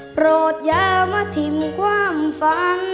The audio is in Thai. โปรดอย่ามาทิ้งความฝัน